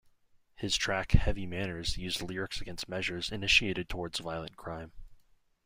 His track "Heavy Manners" used lyrics against measures initiated towards violent crime.